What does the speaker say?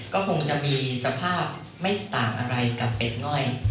ก็คงจะมีสภาพไม่ต่างอะไรกับเป็ดง่อย